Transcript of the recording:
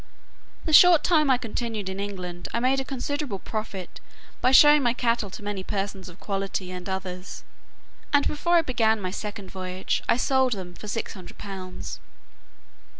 The short time I continued in England, I made a considerable profit by showing my cattle to many persons of quality and others: and before I began my second voyage, I sold them for six hundred pounds.